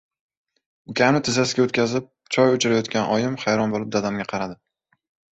Ukamni tizzasiga o‘tkazib choy ichirayotgan oyim hayron bo‘lib dadamga qaradi: